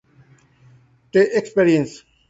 T Experience.